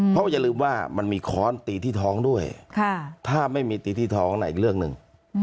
เพราะอย่าลืมว่ามันมีค้อนตีที่ท้องด้วยถ้าไม่มีตีที่ท้องอีกเรื่องหนึ่ง